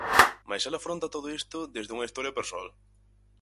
Mais el afronta todo isto desde unha historia persoal.